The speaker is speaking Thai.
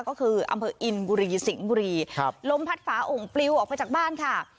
ก็คืออำเภออินบุรีสิงห์บุรีครับลมพัดฝาโอ่งปลิวออกไปจากบ้านค่ะ